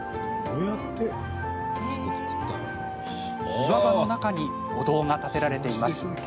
岩場の中にお堂が建てられています。